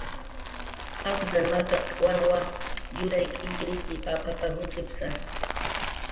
"Altiplan markaq wanwan yurayk illkirillkir papap""a, junch'psa"